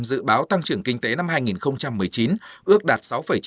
dự báo tăng trưởng kinh tế năm hai nghìn một mươi chín ước đạt sáu chín mươi ba